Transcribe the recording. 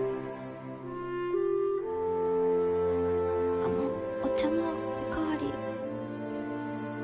あのお茶のお代わり。